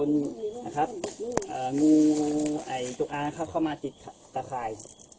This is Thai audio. งูไอจุ๊กอาครับเข้ามาจิตตะคาย